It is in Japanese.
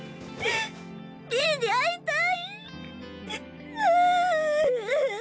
ピィに会いたい。